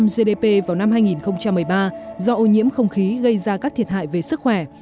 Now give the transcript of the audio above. một gdp vào năm hai nghìn một mươi ba do ô nhiễm không khí gây ra các thiệt hại về sức khỏe